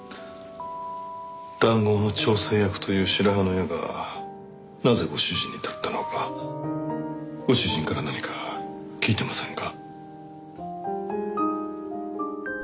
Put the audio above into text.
談合の調整役という白羽の矢がなぜご主人に立ったのかご主人から何か聞いてませんか？